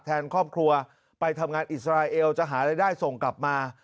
แทนครอบครัวไปทำงานอิสราเอลจะหารายได้ส่งกลับมา